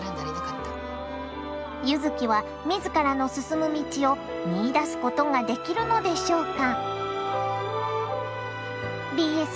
柚月は自らの進む道を見いだすことができるのでしょうか？